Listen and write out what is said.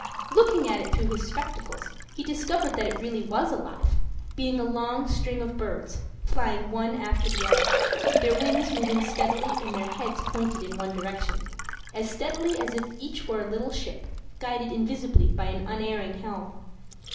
Looking at it through his spectacles, he discovered that it really was alive; being a long string of birds, flying one after the other, their wings moving steadily and their heads pointed in one direction, as steadily as if each were a little ship, guided invisibly by an unerring helm.